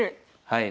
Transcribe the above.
はい。